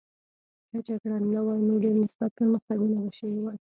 که جګړه نه وای نو ډېر مثبت پرمختګونه به شوي وای